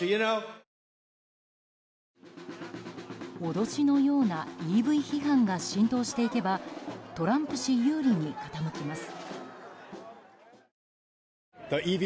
脅しのようなＥＶ批判が浸透していけばトランプ氏有利に傾きます。